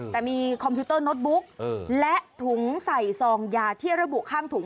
แต่มีคอมพิวเตอร์โน้ตบุ๊กและถุงใส่ซองยาที่ระบุข้างถุง